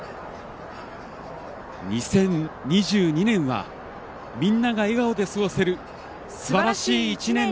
２０２２年はみんなが笑顔で過ごせる。